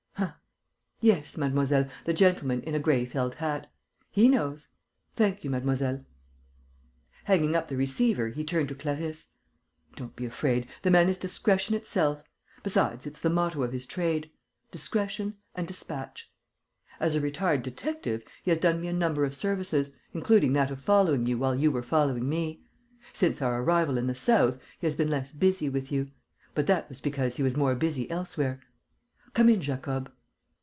Huh!... Yes, mademoiselle, the gentleman in a gray felt hat. He knows. Thank you, mademoiselle." Hanging up the receiver, he turned to Clarisse: "Don't be afraid. The man is discretion itself. Besides, it's the motto of his trade: 'Discretion and dispatch.' As a retired detective, he has done me a number of services, including that of following you while you were following me. Since our arrival in the south, he has been less busy with you; but that was because he was more busy elsewhere. Come in, Jacob."